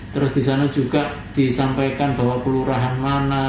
terus di sana juga disampaikan bahwa kelurahan mana